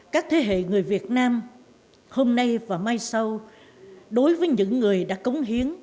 các thế hệ người việt nam hôm nay và mai sau đối với những người đã cống hiến